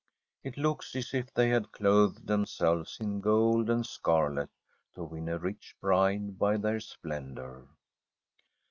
It looks as if they had clothed themselves in gold and scarlet to win a rich bride by their splendour.